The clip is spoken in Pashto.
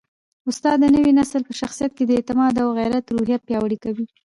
استاد د نوي نسل په شخصیت کي د اعتماد او غیرت روحیه پیاوړې کوي.